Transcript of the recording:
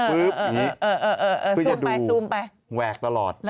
ปุ๊บอย่างนี้คือจะดูแวกตลอดซูมไป